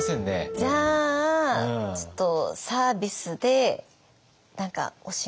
じゃあちょっとサービスで何かおしんことか。